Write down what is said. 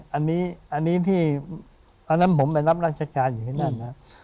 อันนี้ที่ประนะนำผมไปรับราชการอยู่ด้านนั้น